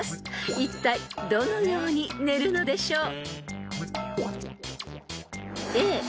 ［いったいどのように寝るのでしょう］